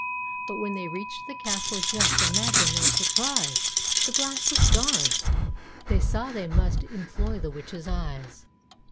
But when they reached the castle just Imagine their surprise! The glass was gone! They saw they must Employ the witches eyes.